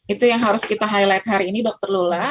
itu yang harus kita highlight hari ini dr lola